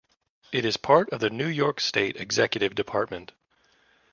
It is part of the New York State Executive Department.